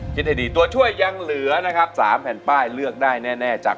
คิดให้ดีตัวช่วยยังเหลือนะครับ๓แผ่นป้ายเลือกได้แน่จาก